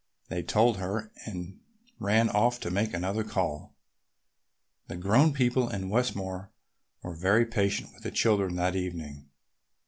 They told her and ran off to make another call. The grown people in Westmore were very patient with the children that evening.